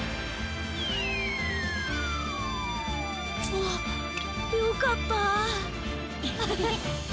あっよかったあ。